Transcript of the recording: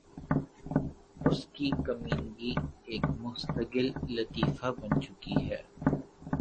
اس کی کمینگی ایک مستقل لطیفہ بن چکی ہے